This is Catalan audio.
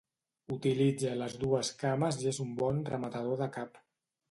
Utilitza les dues cames i és un bon rematador de cap.